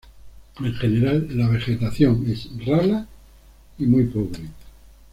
En general, la vegetación es rala y muy pobre.